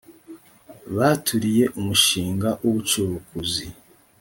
baturiye umushinga w ubucukuzi